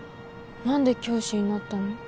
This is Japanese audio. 何で教師になったの？